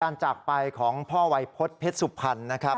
จากไปของพ่อวัยพฤษเพชรสุพรรณนะครับ